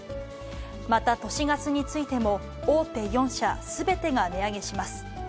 また都市ガスについても、大手４社すべてが値上げします。